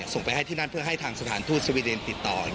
ส่งไปให้ที่นั่นเพื่อให้ทางสถานทูตสวีเดนติดต่อ